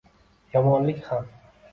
Yomonlik ham